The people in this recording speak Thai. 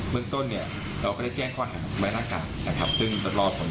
เรื่องต้นเนี่ยเราก็ได้แจ้งข้อหาทุกบริษัทนะครับซึ่งรอส่วน